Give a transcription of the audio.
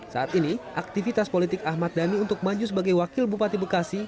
saat ini aktivitas politik ahmad dhani untuk maju sebagai wakil bupati bekasi